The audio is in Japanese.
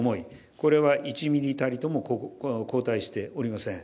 これは、１ミリたりとも後退しておりません。